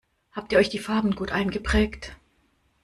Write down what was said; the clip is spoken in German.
Habt ihr euch die Farben gut eingeprägt?